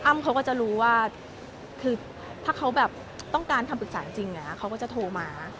เขาก็จะรู้ว่าคือถ้าเขาแบบต้องการคำปรึกษาจริงเขาก็จะโทรมา